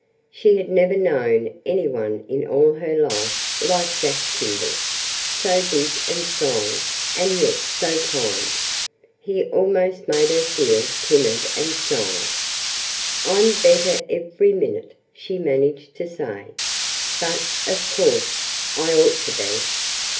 She had never known any one in all her life like Jack Kimball, so big and strong, and yet so kind. He almost made her feel timid and shy. "I'm better every minute," she managed to say. "But, of course, I ought to be."